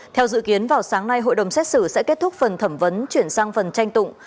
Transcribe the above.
theo dự kiến vào sáng nay hội đồng xét xử sẽ kết thúc phần thẩm vấn chuyển sang phần tranh tụng